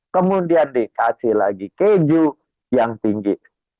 kemudian dikasih lagi keju yang tinggi